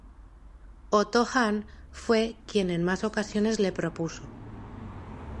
Otto Hahn fue quien en más ocasiones le propuso.